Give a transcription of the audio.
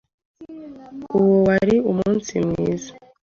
Uwo wari umunsi mwiza.